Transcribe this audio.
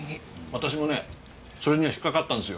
私もねそれには引っかかったんですよ。